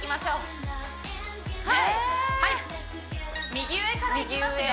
右上からいきますよ